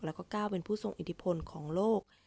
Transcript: แล้วก็ก้าวเป็นผู้ทรงอิทธิพลของโลก